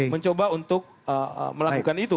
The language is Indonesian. mencoba untuk melakukan itu